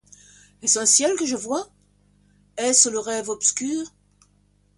Est-ce un ciel que je vois ? Est-ce le rêve obscur